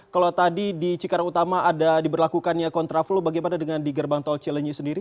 kalau tadi di cikarang utama ada diberlakukannya kontraflow bagaimana dengan di gerbang tol cilenyi sendiri